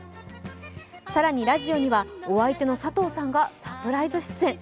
更にラジオにはお相手の佐藤さんがサプライズ出演。